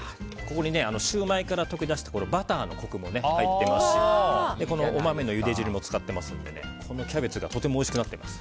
ここにシューマイから溶け出したバターのコクも入っていますしお豆のゆで汁も使ってますのでこのキャベツがとてもおいしくなってます。